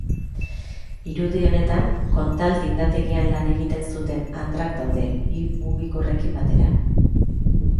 Irudi honetan, Condal tindategian lan egiten zuten andrak daude, bi mugikorrekin batera.